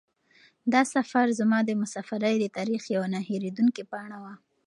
دا سفر زما د مسافرۍ د تاریخ یوه نه هېرېدونکې پاڼه وه.